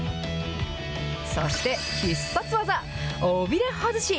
そして必殺技、尾びれ外し。